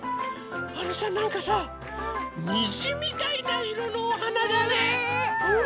あのさなんかさにじみたいないろのおはなだね。ね！